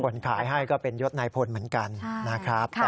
คนขายให้ก็เป็นยศนายพลเหมือนกันนะครับ